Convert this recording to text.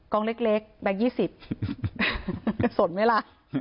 กองเล็กแบก๒๐สดไหมล่ะ